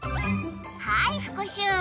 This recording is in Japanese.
はい復習！